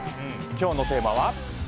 今日のテーマは。